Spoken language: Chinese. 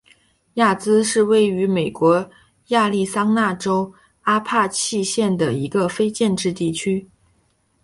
亚兹是位于美国亚利桑那州阿帕契县的一个非建制地区。